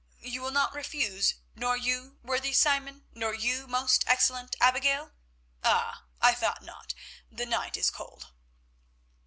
You will not refuse, nor you, worthy Simon, nor you, most excellent Abigail. Ah! I thought not, the night is cold."